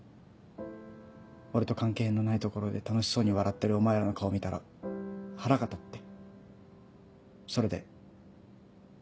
俺と関係のないところで楽しそうに笑ってるお前らの顔見たら腹が立ってそれで。